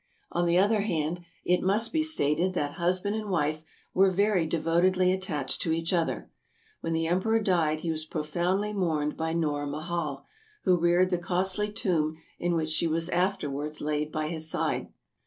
On the other hand, it must be stated that husband and wife were very devotedly attached to each other. When the Emperor died he was profoundly mourned by Noor Mahal, who reared the costly tomb in which she was after wards laid by his side.